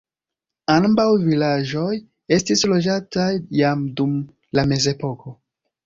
Ambaŭ vilaĝoj estis loĝataj jam dum la mezepoko.